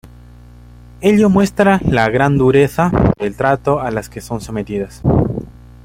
Ello muestra la gran dureza del trato a la que son sometidas.